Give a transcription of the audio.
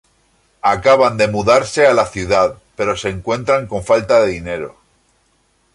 Acaban de mudarse a la ciudad pero se encuentran con falta de dinero.